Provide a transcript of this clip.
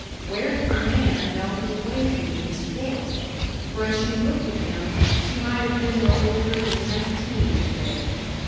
Where had the man melted away to in this boy? For as she looked at him, he might have been no older than nineteen to day.